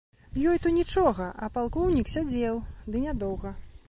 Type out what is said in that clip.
Ёй то нічога, а палкоўнік сядзеў, ды нядоўга.